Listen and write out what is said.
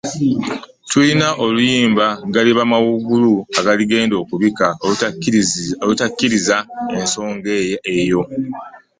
Tulina n’oluyimba “Galiba mawuugulu agaligenda okubika” olukkaatiriza ensonga eyo.